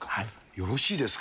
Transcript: よろしいですか？